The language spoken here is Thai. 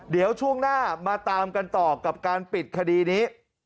เดี๋ยวช่วงหน้ามาตามกันต่อกับการปิดคดีนี้